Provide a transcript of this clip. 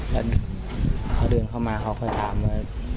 แล้วเขาเดินเข้ามาเขาก็ถามว่า